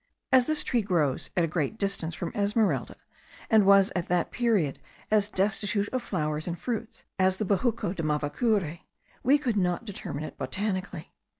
As this tree grows at a great distance from Esmeralda, and was at that period as destitute of flowers and fruits as the bejuco de mavacure, we could not determine it botanically.